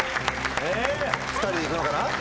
２人で行くのかな？